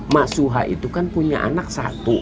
mak suha itu kan punya anak satu